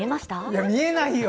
いや、見えないよ！